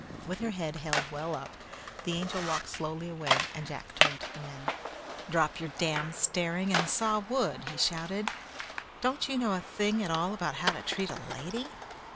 With her head held well up, the Angel walked slowly away, and Jack turned to the men. "Drop your damned staring and saw wood," he shouted. "Don't you know anything at all about how to treat a lady?"